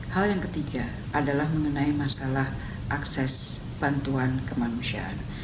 hal yang ketiga adalah mengenai masalah akses bantuan kemanusiaan